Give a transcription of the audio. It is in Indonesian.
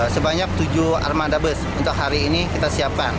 sebanyak tujuh armada bus untuk hari ini kita siapkan